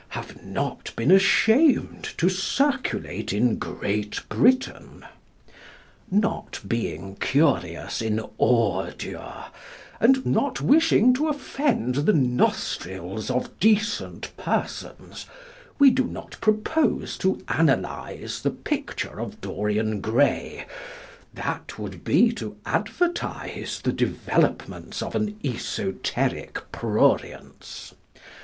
have not been ashamed to circulate in Great Britain. Not being curious in ordure, and not wishing to offend the nostrils of decent persons, we do not propose to analyse "The Picture of Dorian Gray": that would be to advertise the developments of an esoteric prurience.